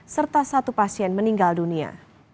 serta satu pasien meninggal dunia